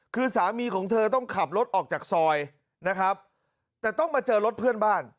คือสามีของเธอต้องขับรถออกจากซอยนะครับแต่ต้องมาเจอรถเพื่อนบ้าน